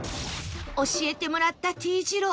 教えてもらった丁字路